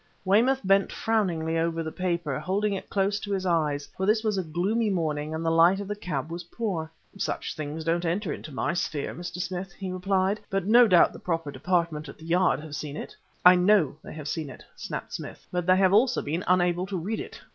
Weymouth bent frowningly over the paper, holding it close to his eyes, for this was a gloomy morning and the light in the cab was poor. "Such things don't enter into my sphere, Mr. Smith," he replied, "but no doubt the proper department at the Yard have seen it." "I know they have seen it!" snapped Smith; "but they have also been unable to read it!"